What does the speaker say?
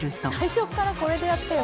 最初からこれでやってよ。